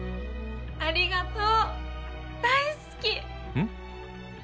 ありがとう！大好き！